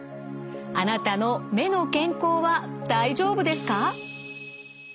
あなたの目の健康は大丈夫ですか？